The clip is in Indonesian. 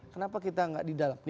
kenapa kita gak di dalam